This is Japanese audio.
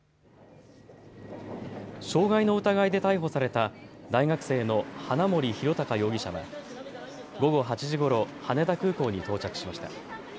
傷害の疑いで逮捕された大学生の花森弘卓容疑者は午後８時ごろ羽田空港に到着しました。